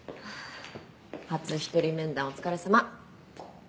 初一人面談お疲れさま。